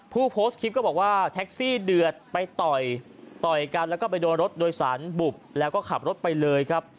ผู้โพสต์คลิปก็บอกว่าแท็กซี่เดือดไปต่อยต่อยกันแล้วก็ไปโดนรถโดยสารบุบแล้วก็ขับรถไปเลยครับ